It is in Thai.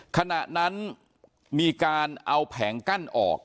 ขณะนั้นมีการเอาแผงกั้นออก